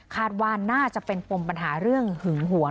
คาดว่าน่าจะเป็นปมปัญหาเรื่องหึงหวง